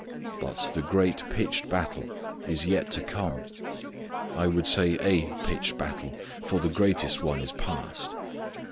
But the great pitched battle is yet to come. I would better say a pitched battle, for the greatest one is past.